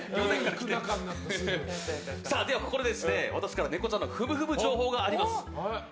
では、ここで私からネコちゃんのふむふむ情報があります。